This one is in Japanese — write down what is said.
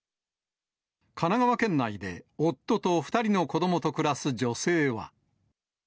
神奈川県内で夫と２人の子どもと暮らす女性は。